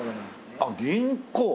あっ銀行。